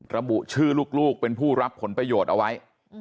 ระบุชื่อลูกเป็นผู้รับผลประโยชน์เอาไว้